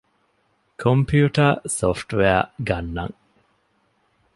ކޮމްޕިއުޓަރ ސޮފްޓްވެއަރ ގަންނަން